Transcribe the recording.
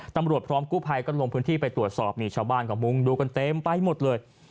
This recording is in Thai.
ตำรวจพร้อมกู้ภัยก็ลงพื้นที่ไปตรวจสอบนี่ชาวบ้านก็มุงดูกันเต็มไปหมดเลย